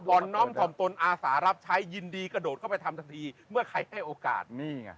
อ่อนน้อมถ่อมตนอาสารับใช้ยินดีกระโดดเข้าไปทำทันทีเมื่อใครให้โอกาสนี่ไง